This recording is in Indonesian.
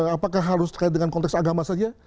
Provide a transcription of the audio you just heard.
apakah harus terkait dengan konteks agama saja